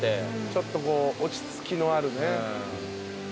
ちょっとこう落ち着きのあるね。